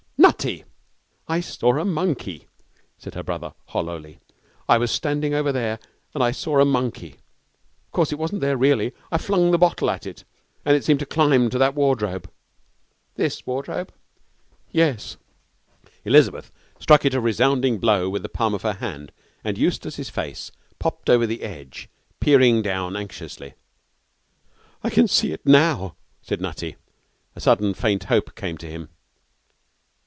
'Nutty!' 'I saw a monkey!' said her brother, hollowly. 'I was standing over there and I saw a monkey! Of course, it wasn't there really. I flung the bottle at it, and it seemed to climb on to that wardrobe.' 'This wardrobe?' 'Yes.' Elizabeth struck it a resounding blow with the palm of her hand, and Eustace's face popped over the edge, peering down anxiously. 'I can see it now,' said Nutty. A sudden, faint hope came to him.